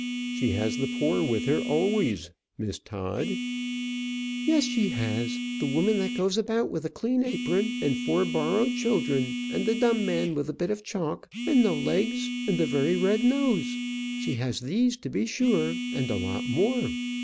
"She has the poor with her always, Miss Todd." "Yes, she has; the woman that goes about with a clean apron and four borrowed children; and the dumb man with a bit of chalk and no legs, and the very red nose. She has these, to be sure, and a lot more.